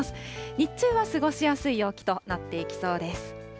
日中は過ごしやすい陽気となっていきそうです。